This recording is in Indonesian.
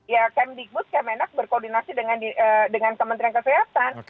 ya km digbud km enak berkoordinasi dengan kementerian kesehatan